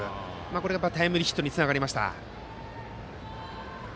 これがタイムリーヒットにつながりました。